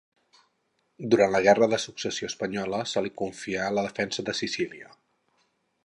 Durant la Guerra de Successió Espanyola se li confià la defensa de Sicília.